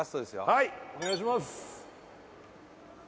はいお願いします